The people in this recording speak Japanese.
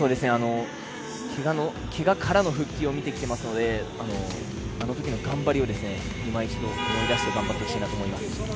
けがからの復帰を見てきていますのであの時の頑張りを今一度思い出して頑張ってほしいと思います。